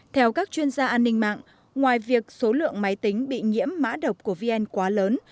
theo các chuyên gia an ninh mạng ngoài việc số lượng máy tính bị nhiễm mã độc của vn quá lớn